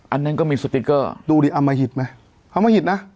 อันนั้นก็มีสติ๊กเกอร์ดูดิอมหิตไหมอมหิตนะ